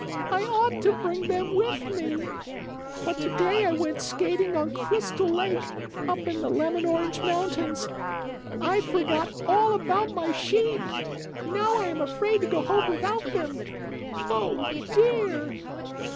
"I ought to bring them with me. But today I went skating on Crystal Lake, up in the Lemon Orange Mountains, and I forgot all about my sheep. Now I am afraid to go home without them. Oh, dear!"